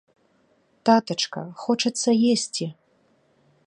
Татачка, хочацца есцi...